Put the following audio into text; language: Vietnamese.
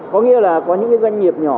có nghĩa là có những cái doanh nghiệp nhỏ